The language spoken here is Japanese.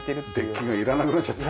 デッキがいらなくなっちゃった。